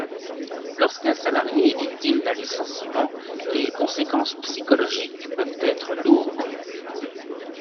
Lorsqu’un salarié est victime d’un licenciement, les conséquences psychologiques peuvent être lourdes.